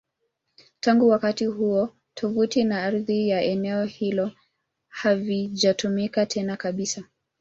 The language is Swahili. Tangu wakati huo, tovuti na ardhi ya eneo hilo havijatumika tena kabisa.